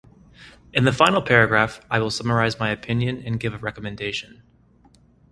In the final paragraph, I will summarize my opinion and give a recommendation.